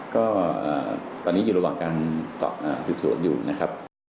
ก็ตอนนี้อยู่ระหว่างการสืบสวนอยู่นะครับ